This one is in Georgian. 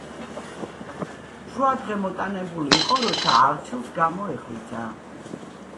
შუადღე მოტანებული იყო, როცა არჩილს გამოეღვიძა.